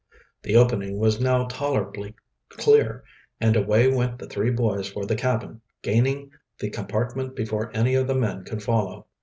The opening was now tolerably clear, and away went the three boys for the cabin, gaining the compartment before any of the men could follow.